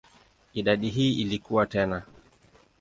Idadi hii ilikua tena.